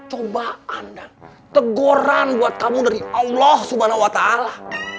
cobaan dan tegoran buat kamu dari allah subhanahu wa ta'ala